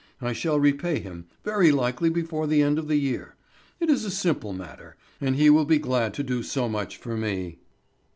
"I shall repay him, very likely before the end of the year. It is a simple matter, and he will be glad to do so much for me."